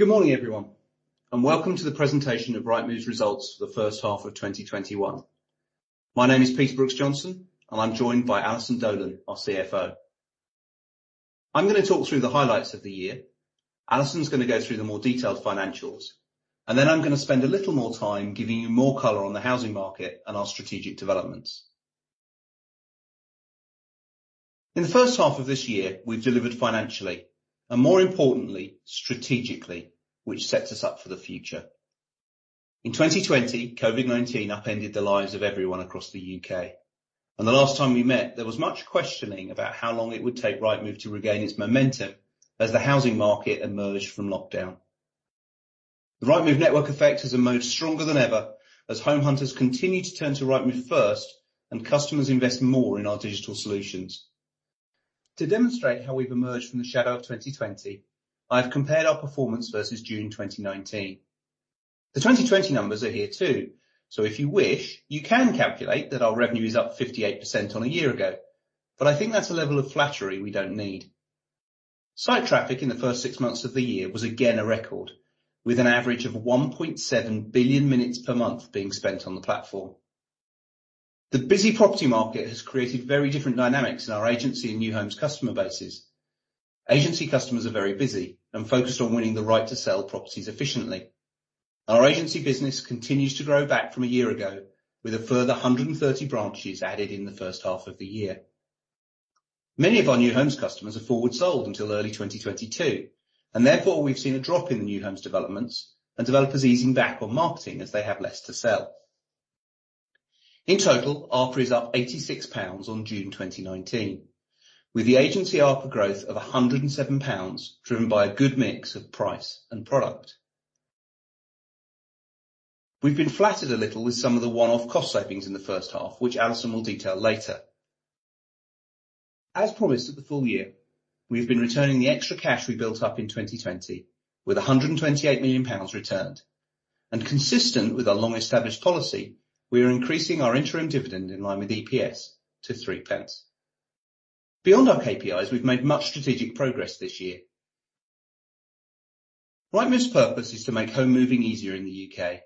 Good morning, everyone, welcome to the presentation of Rightmove's results for the first half of 2021. My name is Peter Brooks-Johnson, and I'm joined by Alison Dolan, our CFO. I'm going to talk through the highlights of the year. Alison's going to go through the more detailed financials. Then I'm going to spend a little more time giving you more color on the housing market and our strategic developments. In the first half of this year, we've delivered financially, and more importantly, strategically, which sets us up for the future. In 2020, COVID-19 upended the lives of everyone across the U.K. The last time we met, there was much questioning about how long it would take Rightmove to regain its momentum as the housing market emerged from lockdown. The Rightmove network effect has emerged stronger than ever as home hunters continue to turn to Rightmove first and customers invest more in our digital solutions. To demonstrate how we've emerged from the shadow of 2020, I've compared our performance versus June 2019. The 2020 numbers are here too. If you wish, you can calculate that our revenue is up 58% on a year ago. I think that's a level of flattery we don't need. Site traffic in the first six months of the year was again a record with an average of 1.7 billion minutes per month being spent on the platform. The busy property market has created very different dynamics in our agency and new homes customer bases. Agency customers are very busy and focused on winning the right to sell properties efficiently. Our agency business continues to grow back from a year ago with a further 130 branches added in the first half of the year. Therefore, we've seen a drop in the new homes developments and developers easing back on marketing as they have less to sell. In total, ARPA is up 86 pounds on June 2019, with the agency ARPA growth of 107 pounds driven by a good mix of price and product. We've been flattered a little with some of the one-off cost savings in the first half, which Alison will detail later. As promised at the full year, we've been returning the extra cash we built up in 2020 with 128 million pounds returned. Consistent with our long established policy, we are increasing our interim dividend in line with EPS to 0.03. Beyond our KPIs, we've made much strategic progress this year. Rightmove's purpose is to make home moving easier in the U.K.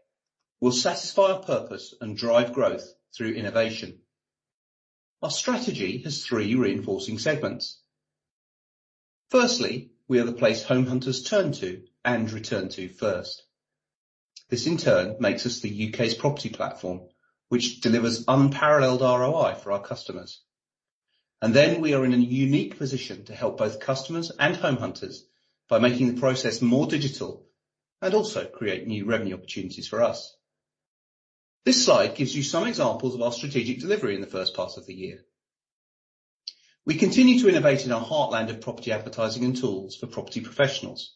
We'll satisfy our purpose and drive growth through innovation. Our strategy has three reinforcing segments. Firstly, we are the place home hunters turn to and return to first. This in turn makes us the U.K.'s property platform, which delivers unparalleled ROI for our customers. We are in a unique position to help both customers and home hunters by making the process more digital and also create new revenue opportunities for us. This slide gives you some examples of our strategic delivery in the first part of the year. We continue to innovate in our heartland of property advertising and tools for property professionals.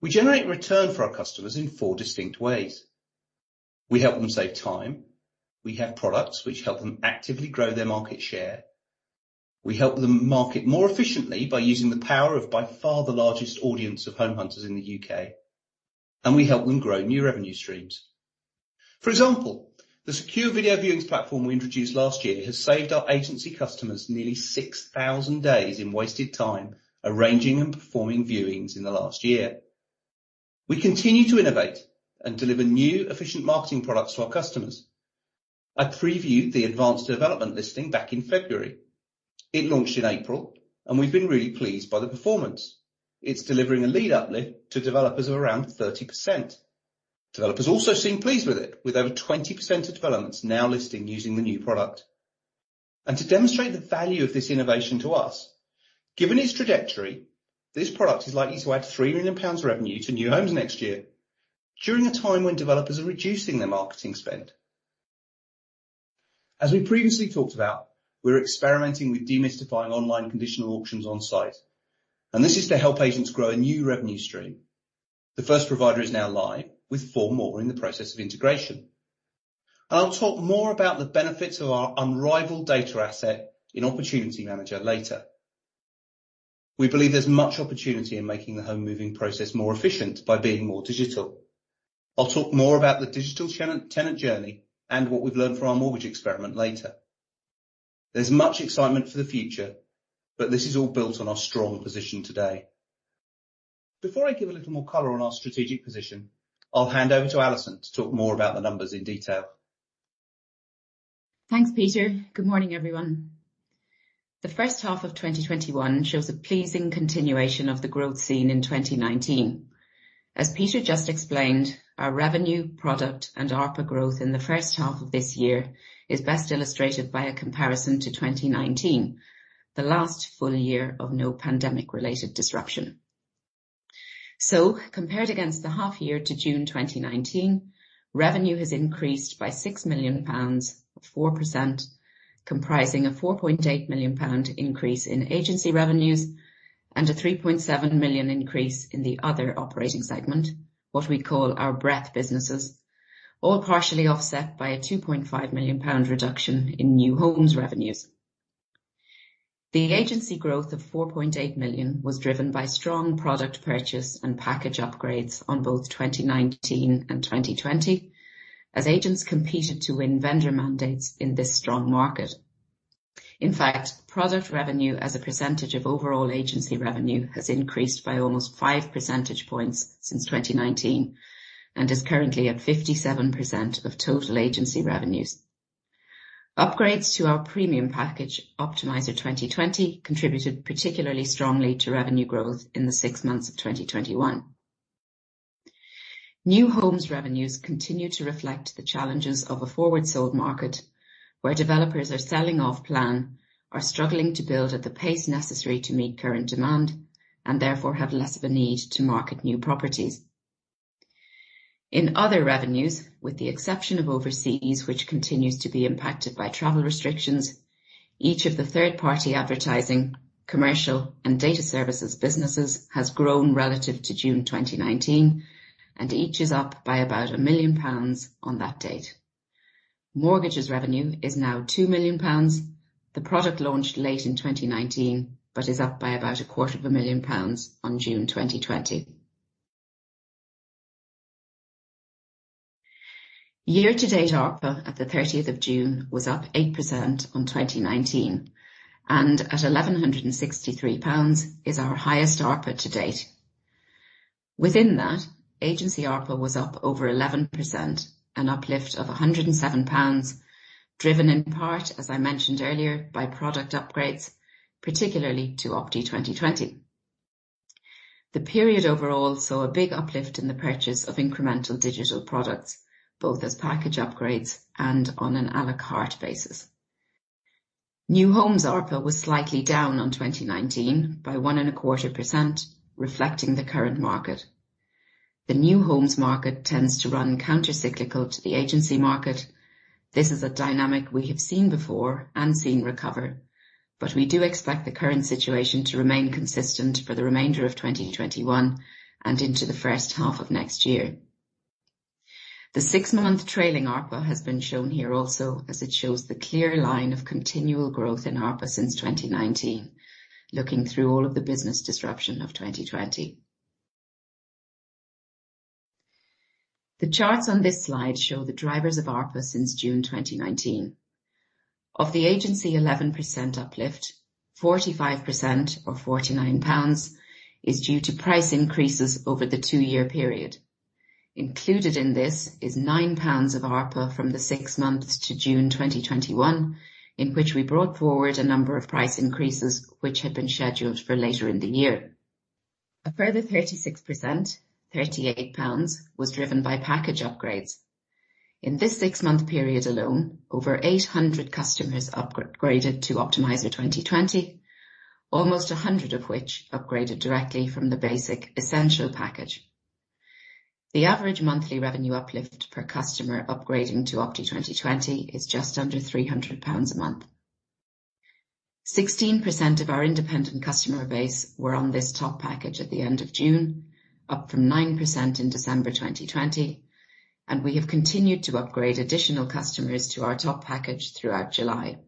We generate return for our customers in four distinct ways. We help them save time. We have products which help them actively grow their market share. We help them market more efficiently by using the power of by far the largest audience of home hunters in the U.K. We help them grow new revenue streams. For example, the secure video viewings platform we introduced last year has saved our agency customers nearly 6,000 days in wasted time arranging and performing viewings in the last year. We continue to innovate and deliver new efficient marketing products to our customers. I previewed the Advanced Development Listing back in February. It launched in April, and we've been really pleased by the performance. It's delivering a lead uplift to developers of around 30%. Developers also seem pleased with it, with over 20% of developments now listing using the new product. To demonstrate the value of this innovation to us, given its trajectory, this product is likely to add 3 million pounds revenue to New Homes next year during a time when developers are reducing their marketing spend. As we previously talked about, we're experimenting with demystifying online conditional auctions on site, and this is to help agents grow a new revenue stream. The first provider is now live with four more in the process of integration. I'll talk more about the benefits of our unrivaled data asset in Opportunity Manager later. We believe there's much opportunity in making the home moving process more efficient by being more digital. I'll talk more about the digital tenant journey and what we've learned from our mortgage experiment later. There's much excitement for the future, but this is all built on our strong position today. Before I give a little more color on our strategic position, I'll hand over to Alison to talk more about the numbers in detail. Thanks, Peter. Good morning, everyone. The first half of 2021 shows a pleasing continuation of the growth seen in 2019. As Peter just explained, our revenue, product, and ARP growth in the first half of this year is best illustrated by a comparison to 2019, the last full year of no pandemic-related disruption. Compared against the half year to June 2019, revenue has increased by 6 million pounds, or 4%, comprising a 4.8 million pound increase in agency revenues and a 3.7 million increase in the other operating segment, what we call our breadth businesses, all partially offset by a 2.5 million pound reduction in new homes revenues. The agency growth of 4.8 million was driven by strong product purchase and package upgrades on both 2019 and 2020, as agents competed to win vendor mandates in this strong market. In fact, product revenue as a percentage of overall agency revenue has increased by almost 5 percentage points since 2019 and is currently at 57% of total agency revenues. Upgrades to our premium package, Optimiser 2020, contributed particularly strongly to revenue growth in the six months of 2021. New homes revenues continue to reflect the challenges of a forward-sold market, where developers are selling off plan, are struggling to build at the pace necessary to meet current demand, and therefore have less of a need to market new properties. In other revenues, with the exception of overseas, which continues to be impacted by travel restrictions, each of the third-party advertising, commercial, and data services businesses has grown relative to June 2019, and each is up by about 1 million pounds on that date. Mortgages revenue is now 2 million pounds. The product launched late in 2019, but is up by about 25,000 pounds on June 2020. Year-to-date ARPA at the 30th of June was up 8% on 2019, and at 1,163 pounds is our highest ARPA to date. Within that, agency ARPA was up over 11%, an uplift of 107 pounds, driven in part, as I mentioned earlier, by product upgrades, particularly to Opti 2020. The period overall saw a big uplift in the purchase of incremental digital products, both as package upgrades and on an à la carte basis. New homes ARPA was slightly down on 2019 by 1.25%, reflecting the current market. The new homes market tends to run countercyclical to the agency market. This is a dynamic we have seen before and seen recover, but we do expect the current situation to remain consistent for the remainder of 2021 and into the first half of next year. The six-month trailing ARPA has been shown here also as it shows the clear line of continual growth in ARPA since 2019, looking through all of the business disruption of 2020. The charts on this slide show the drivers of ARPA since June 2019. Of the agency 11% uplift, 45% or 49 pounds is due to price increases over the two-year period. Included in this is 9 pounds of ARPA from the six months to June 2021, in which we brought forward a number of price increases which had been scheduled for later in the year. A further 36%, 38 pounds, was driven by package upgrades. In this six-month period alone, over 800 customers upgraded to Optimizer 2020, almost 100 of which upgraded directly from the basic essential package. The average monthly revenue uplift per customer upgrading to Opti 2020 is just under 300 pounds a month. 16% of our independent customer base were on this top package at the end of June, up from 9% in December 2020, and we have continued to upgrade additional customers to our top package throughout July.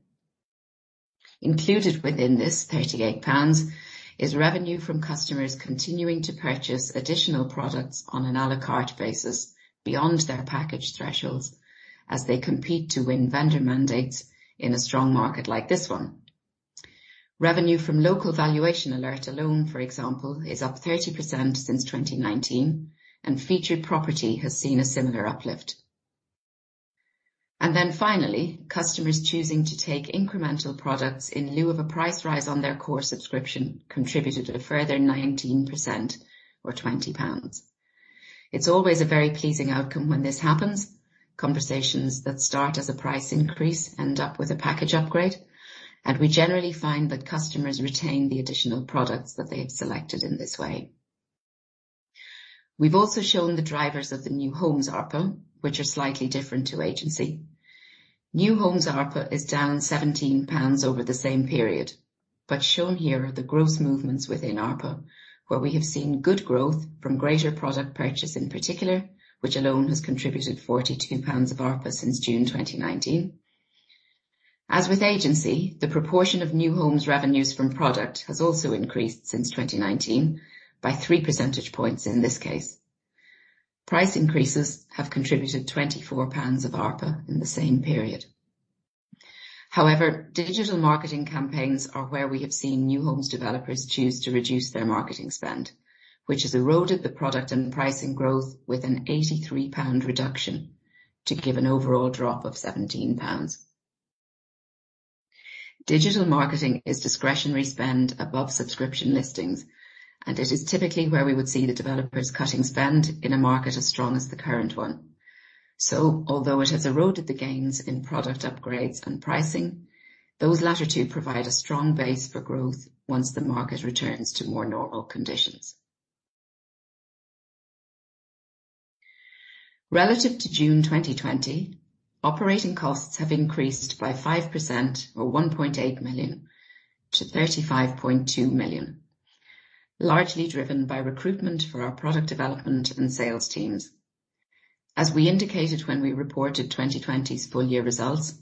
Included within this GBP 38 is revenue from customers continuing to purchase additional products on an à la carte basis beyond their package thresholds as they compete to win vendor mandates in a strong market like this one. Revenue from Local Valuation Alert alone, for example, is up 30% since 2019, and Featured Property has seen a similar uplift. Finally, customers choosing to take incremental products in lieu of a price rise on their core subscription contributed a further 19% or 20 pounds. It's always a very pleasing outcome when this happens. Conversations that start as a price increase end up with a package upgrade, and we generally find that customers retain the additional products that they have selected in this way. We've also shown the drivers of the new homes ARPA, which are slightly different to agency. New homes ARPA is down 17 pounds over the same period. Shown here are the growth movements within ARPA, where we have seen good growth from greater product purchase in particular, which alone has contributed 42 pounds of ARPA since June 2019. As with agency, the proportion of new homes revenues from product has also increased since 2019 by three percentage points, in this case. Price increases have contributed 24 pounds of ARPA in the same period. However, digital marketing campaigns are where we have seen new homes developers choose to reduce their marketing spend, which has eroded the product and pricing growth with a 83 pound reduction to give an overall drop of 17 pounds. Digital marketing is discretionary spend above subscription listings, and it is typically where we would see the developers cutting spend in a market as strong as the current one. Although it has eroded the gains in product upgrades and pricing, those latter two provide a strong base for growth once the market returns to more normal conditions. Relative to June 2020, operating costs have increased by 5% or 1.8 million to 35.2 million, largely driven by recruitment for our product development and sales teams. As we indicated when we reported 2020's full-year results,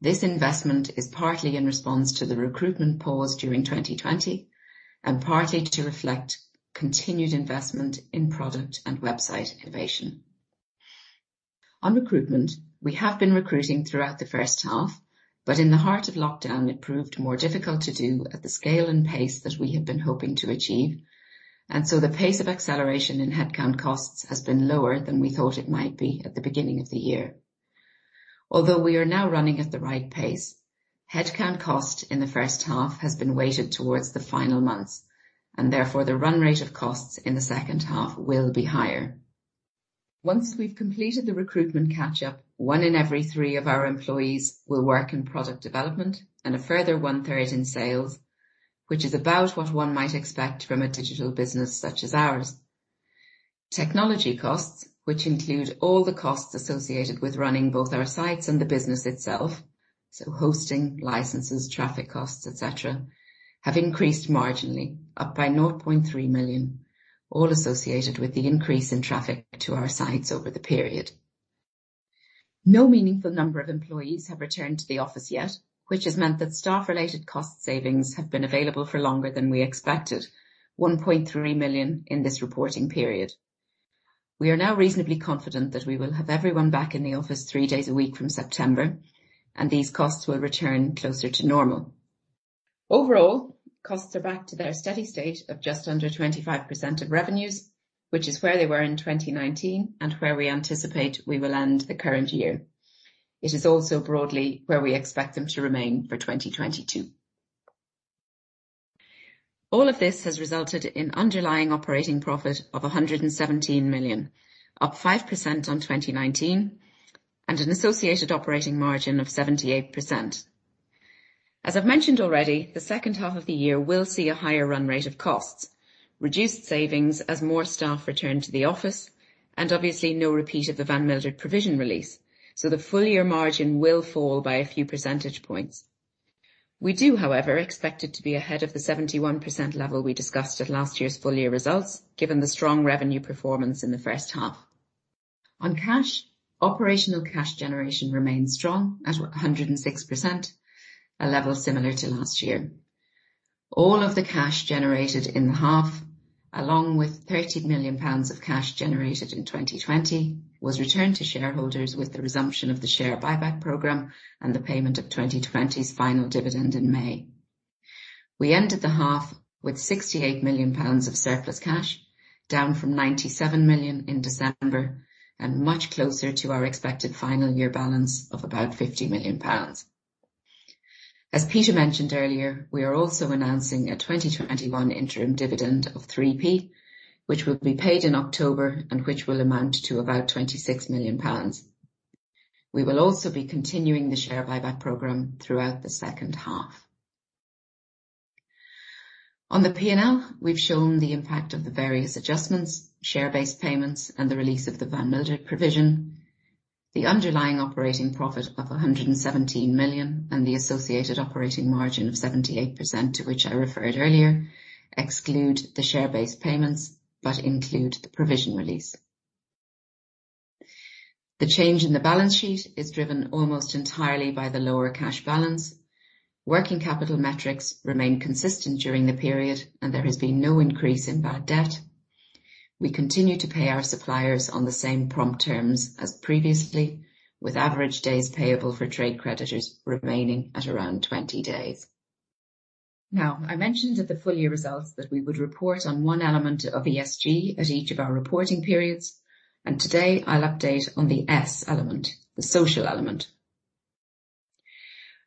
this investment is partly in response to the recruitment pause during 2020 and partly to reflect continued investment in product and website innovation. On recruitment, we have been recruiting throughout the first half, but in the heart of lockdown, it proved more difficult to do at the scale and pace that we had been hoping to achieve. The pace of acceleration in headcount costs has been lower than we thought it might be at the beginning of the year. Although we are now running at the right pace, headcount cost in the first half has been weighted towards the final months, and therefore the run rate of costs in the second half will be higher. Once we've completed the recruitment catch-up, one in every three of our employees will work in product development and a further 1/3 in sales, which is about what one might expect from a digital business such as ours. Technology costs, which include all the costs associated with running both our sites and the business itself, so hosting, licenses, traffic costs, et cetera, have increased marginally, up by 0.3 million, all associated with the increase in traffic to our sites over the period. No meaningful number of employees have returned to the office yet, which has meant that staff-related cost savings have been available for longer than we expected, 1.3 million in this reporting period. We are now reasonably confident that we will have everyone back in the office three days a week from September, and these costs will return closer to normal. Overall, costs are back to their steady state of just under 25% of revenues, which is where they were in 2019 and where we anticipate we will end the current year. It is also broadly where we expect them to remain for 2022. All of this has resulted in underlying operating profit of 117 million, up 5% on 2019, and an associated operating margin of 78%. As I've mentioned already, the second half of the year will see a higher run rate of costs, reduced savings as more staff return to the office, and obviously no repeat of the Van Mildert provision release. The full-year margin will fall by a few percentage points. We do, however, expect it to be ahead of the 71% level we discussed at last year's full-year results, given the strong revenue performance in the first half. Operational cash generation remains strong at 106%, a level similar to last year. All of the cash generated in the half, along with 30 million pounds of cash generated in 2020, was returned to shareholders with the resumption of the share buyback program and the payment of 2020's final dividend in May. We ended the half with 68 million pounds of surplus cash, down from 97 million in December, and much closer to our expected final year balance of about 50 million pounds. As Peter mentioned earlier, we are also announcing a 2021 interim dividend of 0.03, which will be paid in October and which will amount to about 26 million pounds. We will also be continuing the share buyback program throughout the second half. On the P&L, we've shown the impact of the various adjustments, share-based payments, and the release of the Van Mildert provision. The underlying operating profit of 117 million and the associated operating margin of 78%, to which I referred earlier, exclude the share-based payments but include the provision release. The change in the balance sheet is driven almost entirely by the lower cash balance. Working capital metrics remain consistent during the period, and there has been no increase in bad debt. We continue to pay our suppliers on the same prompt terms as previously, with average days payable for trade creditors remaining at around 20 days. I mentioned at the full-year results that we would report on one element of ESG at each of our reporting periods, and today, I'll update on the S element, the social element.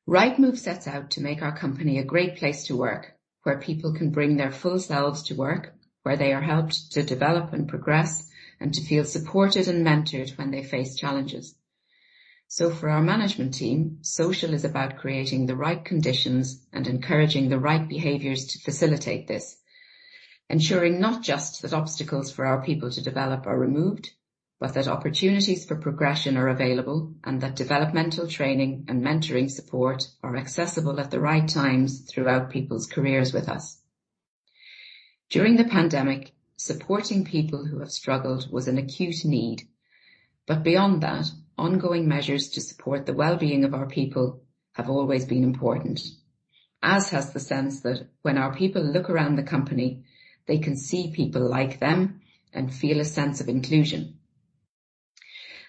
Rightmove sets out to make our company a great place to work, where people can bring their full selves to work, where they are helped to develop and progress and to feel supported and mentored when they face challenges. For our management team, social is about creating the right conditions and encouraging the right behaviors to facilitate this. Ensuring not just that obstacles for our people to develop are removed, but that opportunities for progression are available and that developmental training and mentoring support are accessible at the right times throughout people's careers with us. During the pandemic, supporting people who have struggled was an acute need. Beyond that, ongoing measures to support the well-being of our people have always been important, as has the sense that when our people look around the company, they can see people like them and feel a sense of inclusion.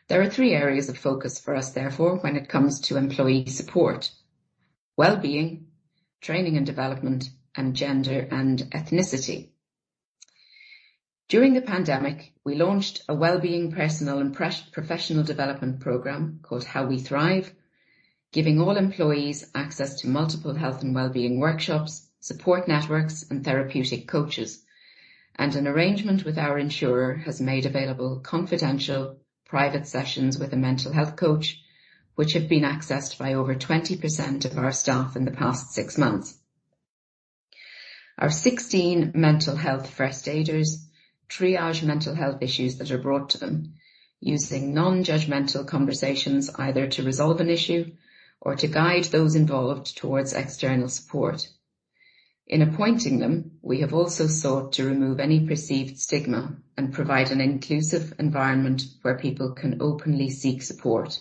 There are three areas of focus for us therefore, when it comes to employee support, well-being, training and development, and gender and ethnicity. During the pandemic, we launched a well-being personal and professional development program called How We Thrive, giving all employees access to multiple health and well-being workshops, support networks, and therapeutic coaches. An arrangement with our insurer has made available confidential private sessions with a mental health coach, which have been accessed by over 20% of our staff in the past six months. Our 16 mental health first aiders triage mental health issues that are brought to them using non-judgmental conversations either to resolve an issue or to guide those involved towards external support. In appointing them, we have also sought to remove any perceived stigma and provide an inclusive environment where people can openly seek support.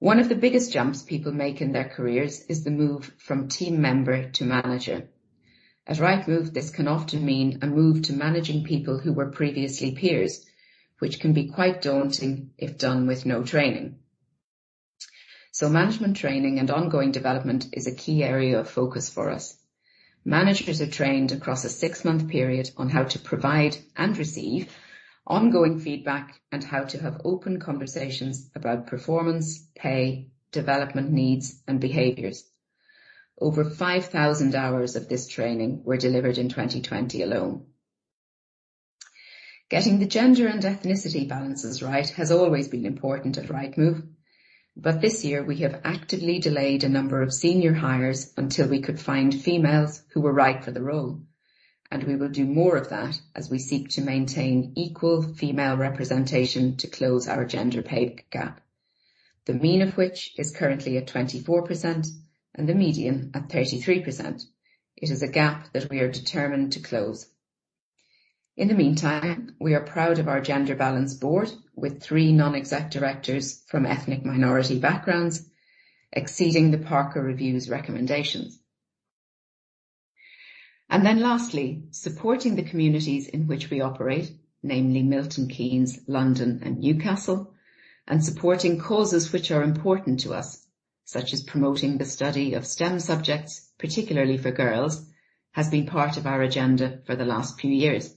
One of the biggest jumps people make in their careers is the move from team member to manager. At Rightmove, this can often mean a move to managing people who were previously peers, which can be quite daunting if done with no training. Management training and ongoing development is a key area of focus for us. Managers are trained across a six-month period on how to provide and receive ongoing feedback and how to have open conversations about performance, pay, development needs, and behaviors. Over 5,000 hours of this training were delivered in 2020 alone. Getting the gender and ethnicity balances right has always been important at Rightmove, but this year we have actively delayed a number of senior hires until we could find females who were right for the role, and we will do more of that as we seek to maintain equal female representation to close our gender pay gap. The mean of which is currently at 24% and the median at 33%. It is a gap that we are determined to close. In the meantime, we are proud of our gender balance board, with three non-exec directors from ethnic minority backgrounds, exceeding the Parker Review's recommendations. Lastly, supporting the communities in which we operate, namely Milton Keynes, London, and Newcastle, and supporting causes which are important to us, such as promoting the study of STEM subjects, particularly for girls, has been part of our agenda for the last few years.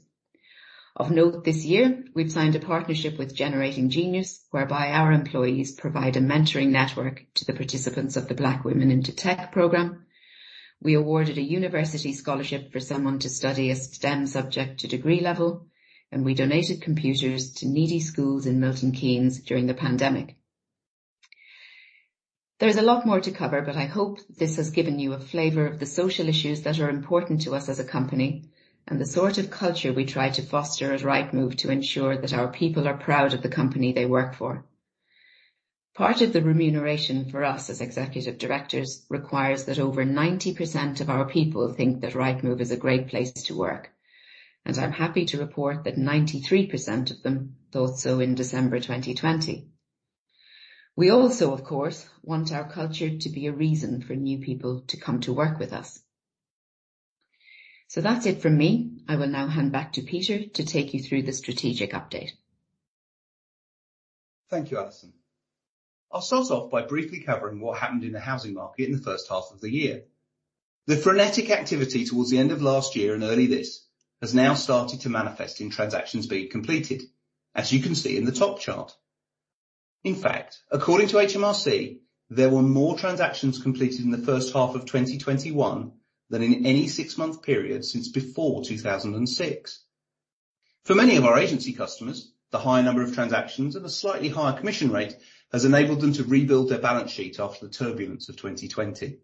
Of note this year, we've signed a partnership with Generating Genius, whereby our employees provide a mentoring network to the participants of the Black Women into Tech program. We awarded a university scholarship for someone to study a STEM subject to degree level, and we donated computers to needy schools in Milton Keynes during the pandemic. There is a lot more to cover, but I hope this has given you a flavor of the social issues that are important to us as a company and the sort of culture we try to foster at Rightmove to ensure that our people are proud of the company they work for. Part of the remuneration for us as executive directors requires that over 90% of our people think that Rightmove is a great place to work, and I'm happy to report that 93% of them thought so in December 2020. We also, of course, want our culture to be a reason for new people to come to work with us. That's it from me. I will now hand back to Peter to take you through the strategic update. Thank you, Alison. I'll start off by briefly covering what happened in the housing market in the first half of the year. The frenetic activity towards the end of last year and early this has now started to manifest in transactions being completed, as you can see in the top chart. In fact, according to HMRC, there were more transactions completed in the first half of 2021 than in any six-month period since before 2006. For many of our agency customers, the high number of transactions and the slightly higher commission rate has enabled them to rebuild their balance sheet after the turbulence of 2020.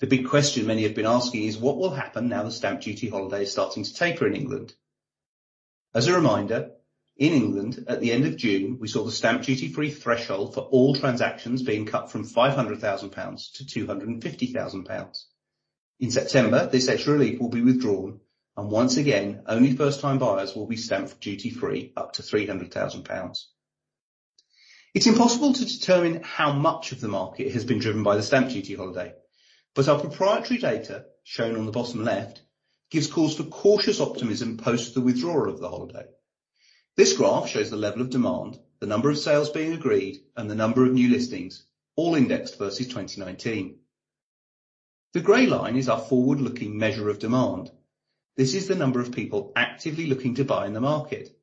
The big question many have been asking is, what will happen now the stamp duty holiday is starting to taper in England? As a reminder, in England at the end of June, we saw the stamp duty-free threshold for all transactions being cut from 500,000 pounds to 250,000 pounds. In September, this extra relief will be withdrawn, and once again, only first-time buyers will be stamp duty free up to 300,000 pounds. It's impossible to determine how much of the market has been driven by the stamp duty holiday, but our proprietary data, shown on the bottom left, gives cause for cautious optimism post the withdrawal of the holiday. This graph shows the level of demand, the number of sales being agreed, and the number of new listings all indexed versus 2019. The gray line is our forward-looking measure of demand. This is the number of people actively looking to buy in the market.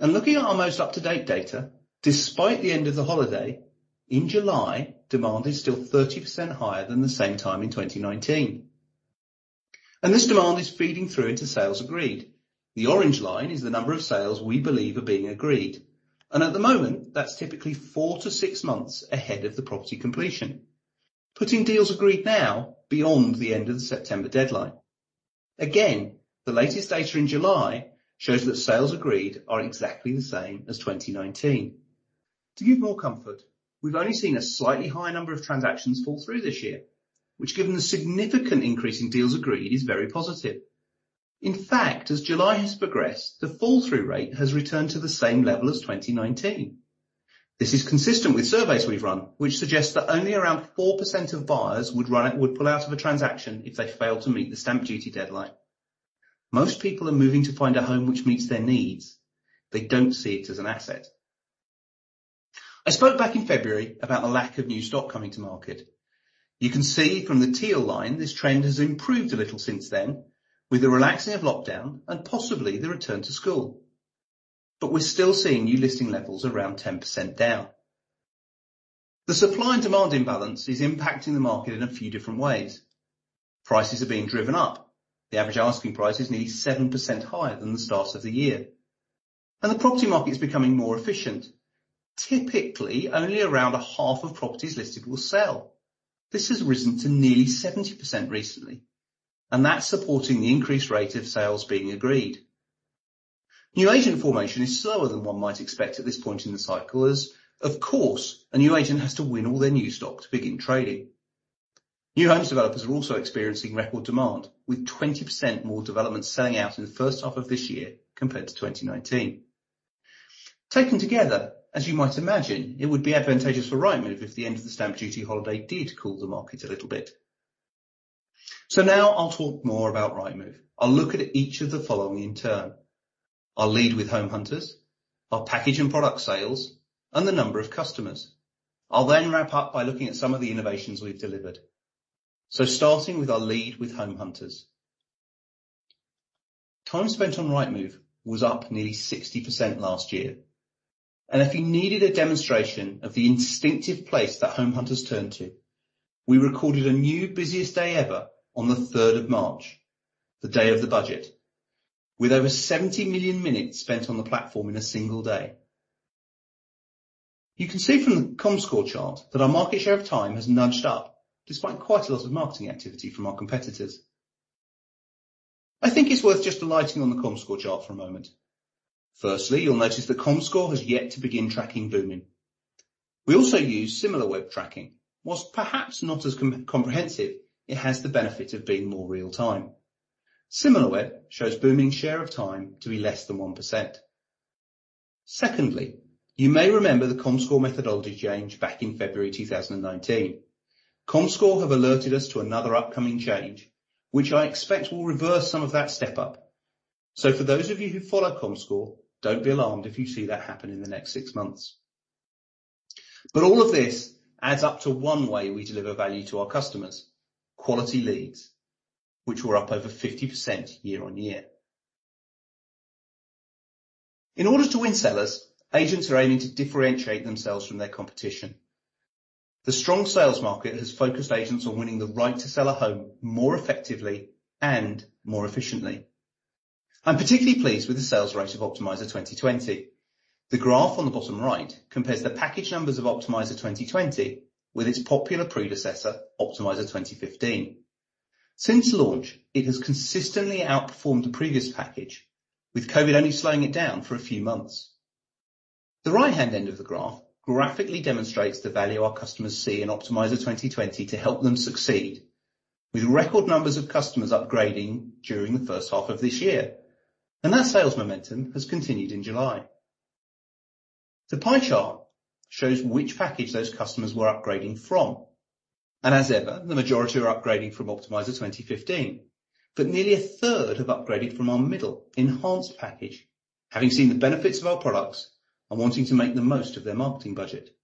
Looking at our most up-to-date data, despite the end of the holiday, in July, demand is still 30% higher than the same time in 2019, and this demand is feeding through into sales agreed. The orange line is the number of sales we believe are being agreed, and at the moment, that's typically four-six months ahead of the property completion, putting deals agreed now beyond the end of the September deadline. Again, the latest data in July shows that sales agreed are exactly the same as 2019. To give more comfort, we've only seen a slightly higher number of transactions fall through this year, which given the significant increase in deals agreed is very positive. In fact, as July has progressed, the fall-through rate has returned to the same level as 2019. This is consistent with surveys we've run, which suggest that only around 4% of buyers would pull out of a transaction if they fail to meet the stamp duty deadline. Most people are moving to find a home which meets their needs. They don't see it as an asset. I spoke back in February about the lack of new stock coming to market. You can see from the teal line this trend has improved a little since then, with the relaxing of lockdown and possibly the return to school, but we're still seeing new listing levels around 10% down. The supply and demand imbalance is impacting the market in a few different ways. Prices are being driven up. The average asking price is nearly 7% higher than the start of the year, and the property market is becoming more efficient. Typically, only around a half of properties listed will sell. This has risen to nearly 70% recently, and that's supporting the increased rate of sales being agreed. New agent formation is slower than one might expect at this point in the cycle, as of course, a new agent has to win all their new stock to begin trading. New homes developers are also experiencing record demand, with 20% more developments selling out in the first half of this year compared to 2019. Taken together, as you might imagine, it would be advantageous for Rightmove if the end of the stamp duty holiday did cool the market a little bit. Now I'll talk more about Rightmove. I'll look at each of the following in turn. Our lead with home hunters, our package and product sales, and the number of customers. I'll wrap up by looking at some of the innovations we've delivered. Starting with our lead with home hunters. Time spent on Rightmove was up nearly 60% last year. If you needed a demonstration of the instinctive place that home hunters turn to, we recorded a new busiest day ever on the third of March, the day of the budget, with over 70 million minutes spent on the platform in a single day. You can see from the Comscore chart that our market share of time has nudged up despite quite a lot of marketing activity from our competitors. I think it's worth just delighting on the Comscore chart for a moment. Firstly, you'll notice that Comscore has yet to begin tracking Boomin. We also use SimilarWeb tracking. While perhaps not as comprehensive, it has the benefit of being more real time. SimilarWeb shows Boomin's share of time to be less than 1%. Secondly, you may remember the Comscore methodology change back in February 2019. Comscore have alerted us to another upcoming change, which I expect will reverse some of that step up. For those of you who follow Comscore, don't be alarmed if you see that happen in the next six months. All of this adds up to one way we deliver value to our customers, quality leads, which were up over 50% year-on-year. In order to win sellers, agents are aiming to differentiate themselves from their competition. The strong sales market has focused agents on winning the right to sell a home more effectively and more efficiently. I'm particularly pleased with the sales rate of Optimiser 2020. The graph on the bottom right compares the package numbers of Optimiser 2020 with its popular predecessor, Optimiser 2015. Since launch, it has consistently outperformed the previous package, with COVID only slowing it down for a few months. The right-hand end of the graph graphically demonstrates the value our customers see in Optimiser 2020 to help them succeed, with record numbers of customers upgrading during the first half of this year. That sales momentum has continued in July. The pie chart shows which package those customers were upgrading from, and as ever, the majority are upgrading from Optimiser 2015. Nearly 1/3 have upgraded from our middle Enhanced package, having seen the benefits of our products and wanting to make the most of their marketing budget.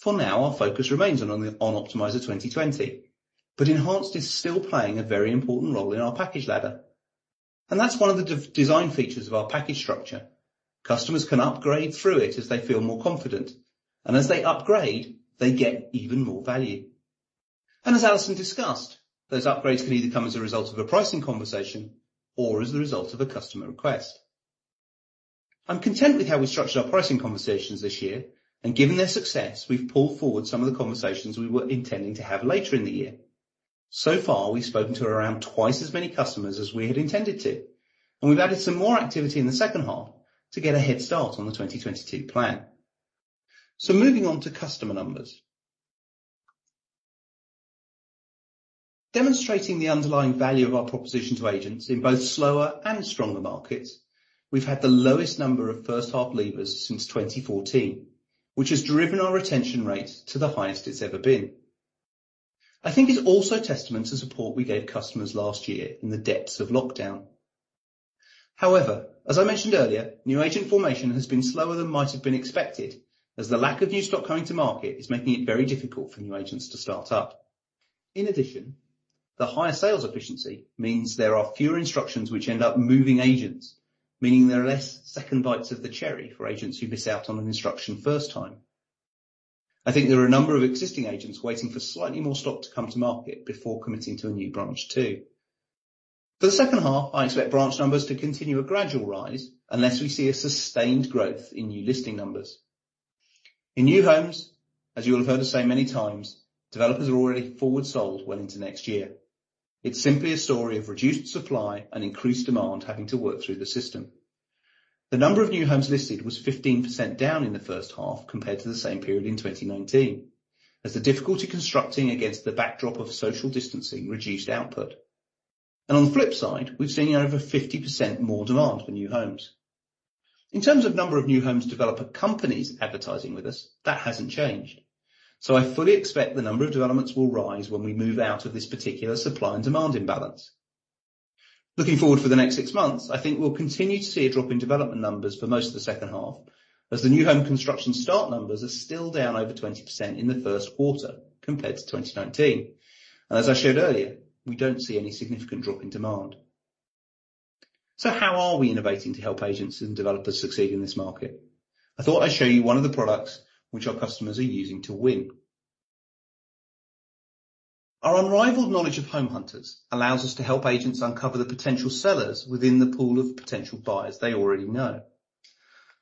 For now, our focus remains on Optimizer 2020, but Enhanced is still playing a very important role in our package ladder. That's one of the de-design features of our package structure. Customers can upgrade through it as they feel more confident, and as they upgrade, they get even more value. As Alison discussed, those upgrades can either come as a result of a pricing conversation or as a result of a customer request. I'm content with how we structured our pricing conversations this year, and given their success, we've pulled forward some of the conversations we were intending to have later in the year. So far, we've spoken to around twice as many customers as we had intended to, and we've added some more activity in the second half to get a head start on the 2022 plan. Moving on to customer numbers. Demonstrating the underlying value of our proposition to agents in both slower and stronger markets, we've had the lowest number of first half leavers since 2014, which has driven our retention rate to the highest it's ever been. I think it's also testament to support we gave customers last year in the depths of lockdown. However, as I mentioned earlier, new agent formation has been slower than might have been expected, as the lack of new stock coming to market is making it very difficult for new agents to start up. In addition, the higher sales efficiency means there are fewer instructions which end up moving agents, meaning there are less second bites of the cherry for agents who miss out on an instruction first time. I think there are a number of existing agents waiting for slightly more stock to come to market before committing to a new branch too. For the second half, I expect branch numbers to continue a gradual rise unless we see a sustained growth in new listing numbers. In new homes, as you will have heard us say many times, developers are already forward sold well into next year. It's simply a story of reduced supply and increased demand having to work through the system. The number of new homes listed was 15% down in the first half compared to the same period in 2019, as the difficulty constructing against the backdrop of social distancing reduced output. On the flip side, we've seen over 50% more demand for new homes. In terms of number of new homes developer companies advertising with us, that hasn't changed. I fully expect the number of developments will rise when we move out of this particular supply and demand imbalance. Looking forward for the next six months, I think we'll continue to see a drop in development numbers for most of the second half, as the new home construction start numbers are still down over 20% in the first quarter compared to 2019. As I showed earlier, we don't see any significant drop in demand. How are we innovating to help agents and developers succeed in this market? I thought I'd show you one of the products which our customers are using to win. Our unrivaled knowledge of home hunters allows us to help agents uncover the potential sellers within the pool of potential buyers they already know.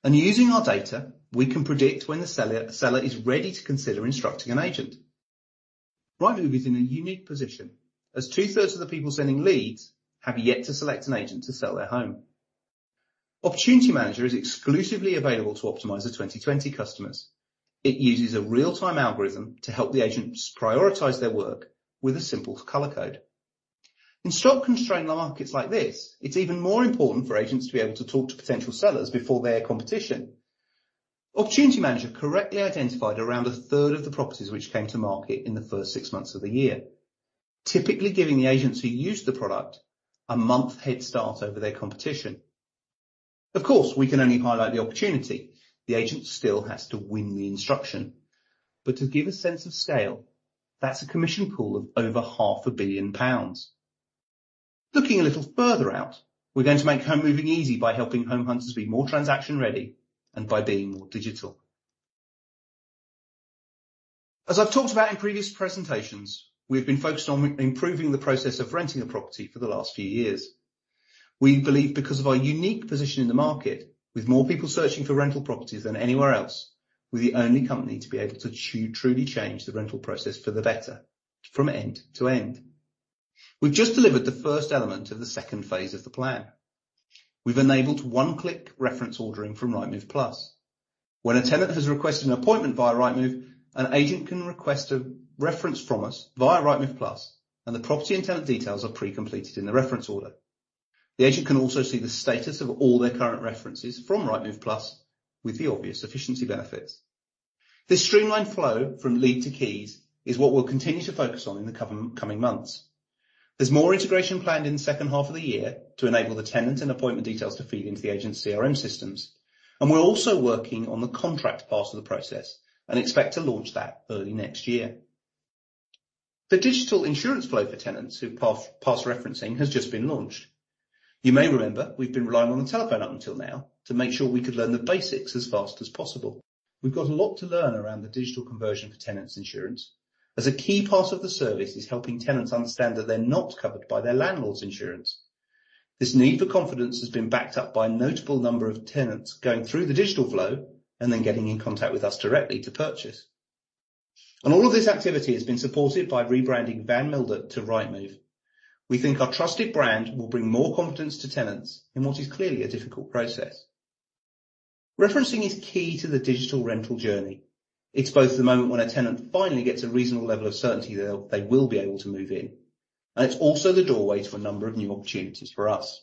Using our data, we can predict when the seller is ready to consider instructing an agent. Rightmove is in a unique position, as 2/3 of the people sending leads have yet to select an agent to sell their home. Opportunity Manager is exclusively available to Optimiser 2020 customers. It uses a real-time algorithm to help the agents prioritize their work with a simple color code. In stock-constrained markets like this, it's even more important for agents to be able to talk to potential sellers before their competition. Opportunity Manager correctly identified around 1/3 of the properties which came to market in the first six months of the year, typically giving the agents who used the product a month head start over their competition. Of course, we can only highlight the opportunity. The agent still has to win the instruction. To give a sense of scale, that's a commission pool of over 500 million pounds. Looking a little further out, we're going to make home moving easy by helping home hunters be more transaction ready and by being more digital. As I've talked about in previous presentations, we have been focused on improving the process of renting a property for the last few years. We believe because of our unique position in the market, with more people searching for rental properties than anywhere else, we're the only company to be able to truly change the rental process for the better from end to end. We've just delivered the first element of the second phase of the plan. We've enabled one-click reference ordering from Rightmove Plus. When a tenant has requested an appointment via Rightmove, an agent can request a reference from us via Rightmove Plus, and the property and tenant details are pre-completed in the reference order. The agent can also see the status of all their current references from Rightmove Plus with the obvious efficiency benefits. This streamlined flow from lead to keys is what we'll continue to focus on in the coming months. There's more integration planned in the second half of the year to enable the tenant and appointment details to feed into the agent's CRM systems, and we're also working on the contract part of the process and expect to launch that early next year. The digital insurance flow for tenants who pass referencing has just been launched. You may remember we've been relying on the telephone up until now to make sure we could learn the basics as fast as possible. We've got a lot to learn around the digital conversion for tenants' insurance, as a key part of the service is helping tenants understand that they're not covered by their landlord's insurance. This need for confidence has been backed up by a notable number of tenants going through the digital flow and then getting in contact with us directly to purchase. All of this activity has been supported by rebranding Van Mildert to Rightmove. We think our trusted brand will bring more confidence to tenants in what is clearly a difficult process. Referencing is key to the digital rental journey. It's both the moment when a tenant finally gets a reasonable level of certainty that they will be able to move in, and it's also the doorway to a number of new opportunities for us.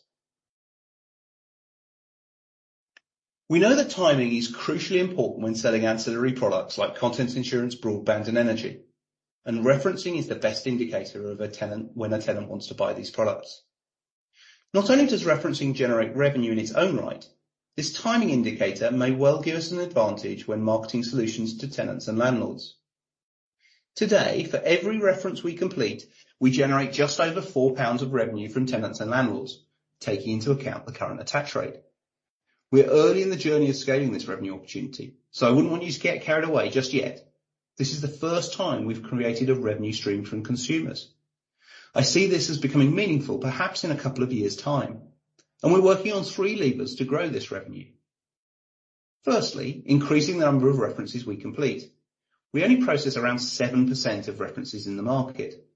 We know that timing is crucially important when selling ancillary products like contents insurance, broadband, and energy. Referencing is the best indicator when a tenant wants to buy these products. Not only does referencing generate revenue in its own right, this timing indicator may well give us an advantage when marketing solutions to tenants and landlords. Today, for every reference we complete, we generate just over 4 pounds of revenue from tenants and landlords, taking into account the current attach rate. We're early in the journey of scaling this revenue opportunity, I wouldn't want you to get carried away just yet. This is the first time we've created a revenue stream from consumers. I see this as becoming meaningful perhaps in a couple of years' time. We're working on three levers to grow this revenue. Firstly, increasing the number of references we complete. We only process around 7% of references in the market.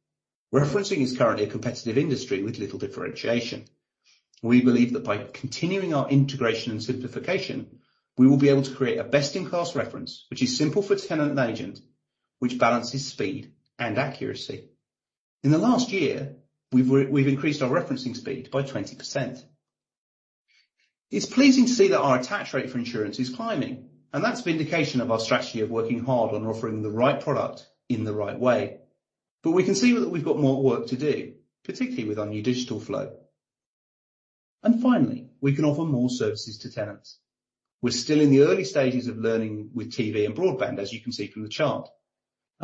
Referencing is currently a competitive industry with little differentiation. We believe that by continuing our integration and simplification, we will be able to create a best-in-class reference which is simple for tenant and agent, which balances speed and accuracy. In the last year, we've increased our referencing speed by 20%. It's pleasing to see that our attach rate for insurance is climbing. That's vindication of our strategy of working hard on offering the right product in the right way. We can see that we've got more work to do, particularly with our new digital flow. Finally, we can offer more services to tenants. We're still in the early stages of learning with TV and broadband, as you can see from the chart.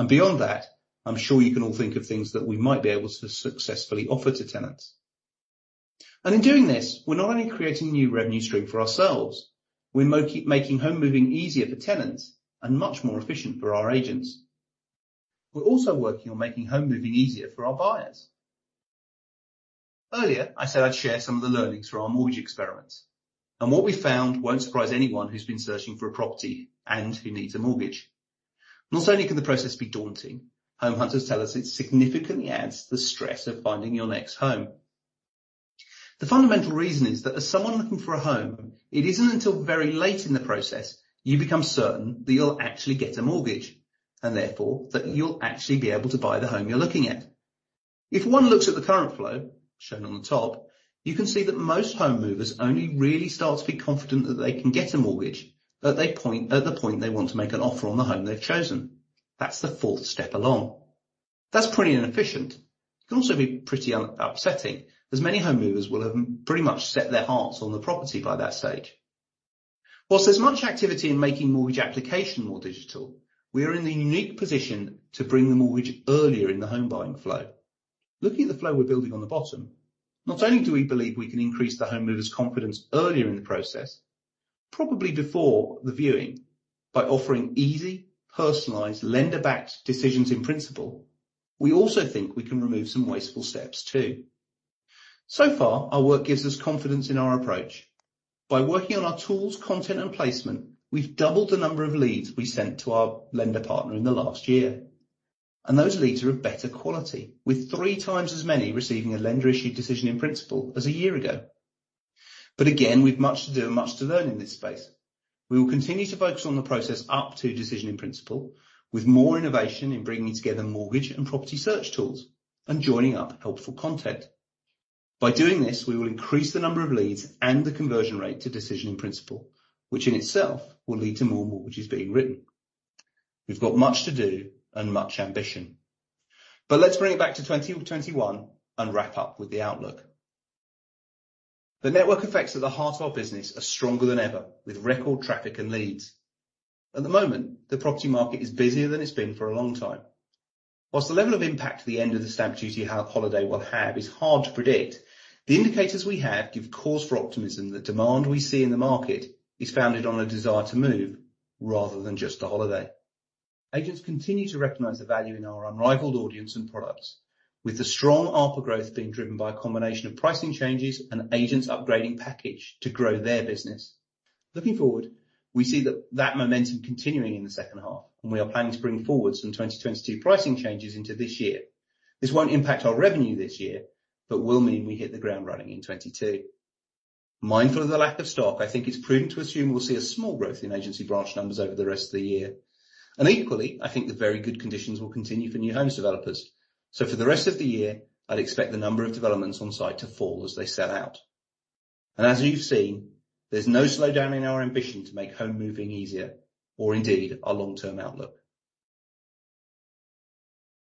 Beyond that, I'm sure you can all think of things that we might be able to successfully offer to tenants. In doing this, we're not only creating a new revenue stream for ourselves, we're making home moving easier for tenants and much more efficient for our agents. We're also working on making home moving easier for our buyers. Earlier, I said I'd share some of the learnings from our mortgage experiments, and what we found won't surprise anyone who's been searching for a property and who needs a mortgage. Not only can the process be daunting, home hunters tell us it significantly adds to the stress of finding your next home. The fundamental reason is that as someone looking for a home, it isn't until very late in the process you become certain that you'll actually get a mortgage, and therefore, that you'll actually be able to buy the home you're looking at. If one looks at the current flow, shown on the top, you can see that most home movers only really start to be confident that they can get a mortgage at the point they want to make an offer on the home they've chosen. That's the fourth step along. That's pretty inefficient. It can also be pretty upsetting, as many home movers will have pretty much set their hearts on the property by that stage. Whilst there's much activity in making mortgage application more digital, we are in the unique position to bring the mortgage earlier in the home buying flow. Looking at the flow we're building on the bottom, not only do we believe we can increase the home mover's confidence earlier in the process, probably before the viewing, by offering easy, personalized, lender-backed decisions in principle, we also think we can remove some wasteful steps, too. So far, our work gives us confidence in our approach. By working on our tools, content, and placement, we've doubled the number of leads we sent to our lender partner in the last year. Those leads are of better quality, with 3x as many receiving a lender issued decision in principle as a year ago. Again, we've much to do and much to learn in this space. We will continue to focus on the process up to decision in principle with more innovation in bringing together mortgage and property search tools and joining up helpful content. By doing this, we will increase the number of leads and the conversion rate to decision in principle, which in itself will lead to more mortgages being written. We've got much to do and much ambition. Let's bring it back to 2021 and wrap up with the outlook. The network effects at the heart of our business are stronger than ever, with record traffic and leads. At the moment, the property market is busier than it's been for a long time. Whilst the level of impact the end of the stamp duty holiday will have is hard to predict, the indicators we have give cause for optimism that demand we see in the market is founded on a desire to move rather than just a holiday. Agents continue to recognize the value in our unrivaled audience and products, with the strong output growth being driven by a combination of pricing changes and agents upgrading package to grow their business. Looking forward, we see that momentum continuing in the second half, and we are planning to bring forward some 2022 pricing changes into this year. This won't impact our revenue this year, but will mean we hit the ground running in 2022. Mindful of the lack of stock, I think it's prudent to assume we'll see a small growth in agency branch numbers over the rest of the year. Equally, I think the very good conditions will continue for new homes developers. For the rest of the year, I'd expect the number of developments on site to fall as they sell out. As you've seen, there's no slowdown in our ambition to make home moving easier, or indeed, our long-term outlook.